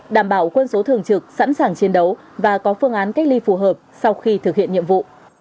đảm bảo quân số thường trực sẵn sàng chiến đấu và có phương án cách ly phù hợp sau khi thực hiện nhiệm vụ